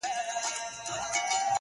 خونه له شنو لوګیو ډکه ده څه نه ښکاریږي-